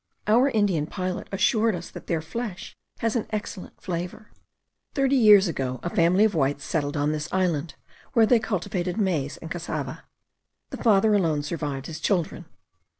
Our Indian pilot assured us that their flesh has an excellent flavour. Thirty years ago a family of whites settled on this island, where they cultivated maize and cassava. The father alone survived his children.